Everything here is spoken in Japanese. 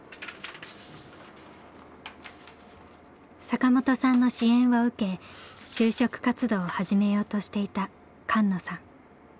坂本さんの支援を受け就職活動を始めようとしていた菅野さん。